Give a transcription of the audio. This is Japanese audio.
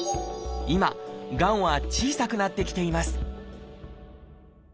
今がんは小さくなってきています